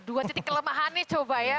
dua titik kelemahannya coba ya